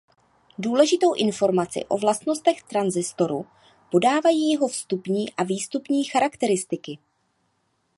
Důležitou informaci o vlastnostech tranzistoru podávají jeho vstupní a výstupní charakteristiky.